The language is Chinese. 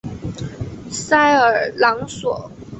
塞尔朗索。